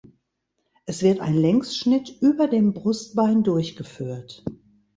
Es wird ein Längsschnitt über dem Brustbein durchgeführt.